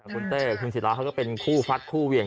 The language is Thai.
คุณเต้คุณศิราเขาก็เป็นคู่ฟัดคู่เหวี่ยง